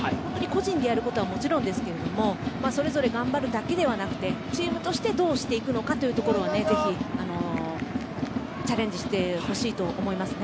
個人でやることはもちろんですけれどもそれぞれ頑張るだけではなくてチームとしてどうしていくかはぜひチャレンジしてほしいと思います。